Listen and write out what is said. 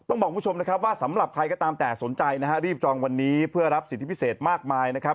บอกคุณผู้ชมนะครับว่าสำหรับใครก็ตามแต่สนใจนะฮะรีบจองวันนี้เพื่อรับสิทธิพิเศษมากมายนะครับ